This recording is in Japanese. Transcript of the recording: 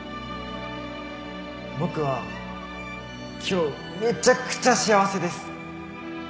「僕は今日めちゃくちゃ幸せです！」